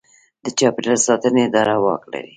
د چاپیریال ساتنې اداره واک لري؟